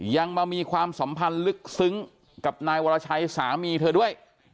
ยังมามีความสัมพันธ์ลึกซึ้งกับนายวรชัยสามีเธอด้วย